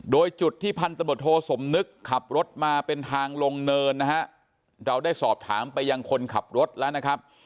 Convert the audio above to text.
โดยจุดที่พันธบทโทสมนึกขับรถมาเป็นทางลงเนินนะฮะเราได้สอบถามไปยังคนขับรถแล้วนะครับ